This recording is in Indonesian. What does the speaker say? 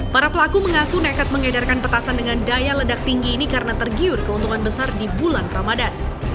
para pelaku mengaku nekat mengedarkan petasan dengan daya ledak tinggi ini karena tergiur keuntungan besar di bulan ramadan